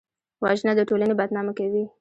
وژنه د ټولنې بدنامه کوي